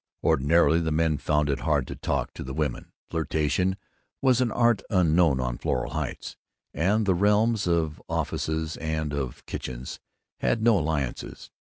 Ordinarily the men found it hard to talk to the women; flirtation was an art unknown on Floral Heights, and the realms of offices and of kitchens had no alliances.